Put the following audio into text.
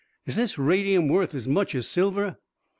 "Is this radium worth as much as silver?"